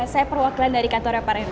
saya perwakilan dari kantornya pak refli